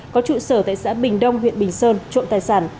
có trụ sở tại xã bình đông huyện bình sơn trộm tài sản